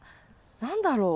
何だろう？